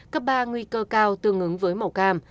cấp ba nguy cơ cao tương ứng với màu cam